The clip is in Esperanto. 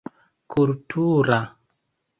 kultura